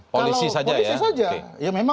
polisi saja ya